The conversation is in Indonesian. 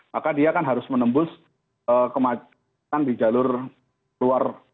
maka dia kan harus menembus kemacetan di jalur luar